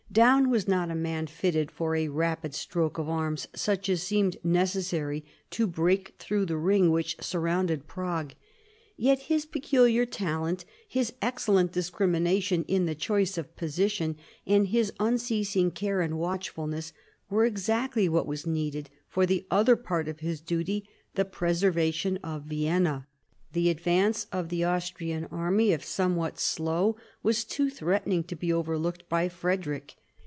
Daun was not a man fitted for a rapid stroke of arms, such as seemed necessary to break through the ring which surrounded Prague. Yet his peculiar talent, his excellent discrimination in the choice of position, and his unceasing care and watchfulness were exactly what was needed for the other part of his duty, the preserva tion of Vienna. The advance of the Austrian army, if somewhat slow, was too threatening to be overlooked by Frederick.